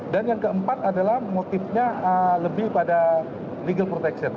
dan yang keempat adalah motifnya lebih pada legal protection